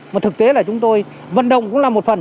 mà thực tế là chúng tôi vận động cũng là một phần